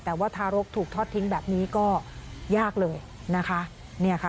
แต่ว่าถ้ารกถูกทอดทิ้งแบบนี้ก็ยากเลยนะคะ